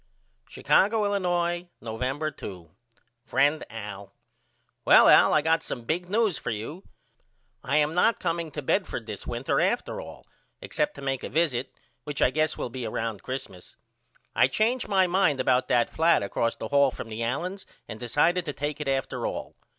Chicago, Illinois, November 2. FRIEND AL: Well Al I got some big news for you. I am not comeing to Bedford this winter after all except to make a visit which I guess will be round Xmas. I changed my mind about that flat across the hall from the Allens and decided to take it after all.